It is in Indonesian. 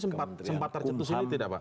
saat itu sempat tercetus ini tidak pak